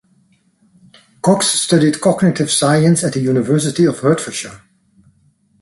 Cox studied cognitive science at the University of Hertfordshire.